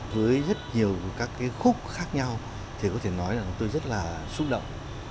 với rất nhiều các cái khúc khác nhau thì có thể nói là tôi rất là xúc động